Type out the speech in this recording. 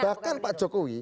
bahkan pak jokowi